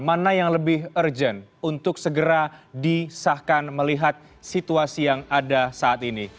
mana yang lebih urgent untuk segera disahkan melihat situasi yang ada saat ini